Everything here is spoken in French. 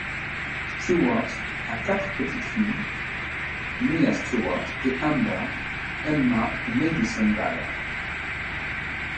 Stewart a quatre petites-filles — Mya Stewart et Amber, Emma et Madison Dyer.